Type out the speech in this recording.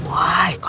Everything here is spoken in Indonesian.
wah kang bos